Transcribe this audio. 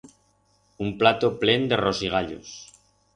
Un plato plen de rosigallos.